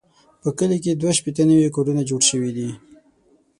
په کلي کې دوه شپېته نوي کورونه جوړ شوي دي.